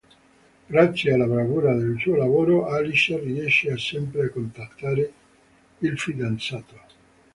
Grazie alla bravura nel suo lavoro, Alice riesce sempre a contattare il fidanzato.